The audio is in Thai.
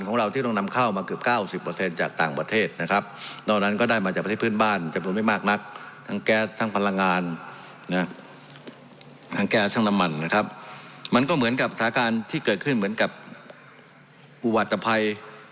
ค่ะเกลอซึมมันนะครับมันก็เหมือนกับสารการที่เกิดขึ้นเหมือนกับอุวัฏภัย